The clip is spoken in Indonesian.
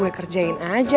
oh mereka sekarang orang roar